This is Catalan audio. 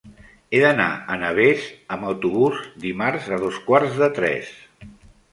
He d'anar a Navès amb autobús dimarts a dos quarts de tres.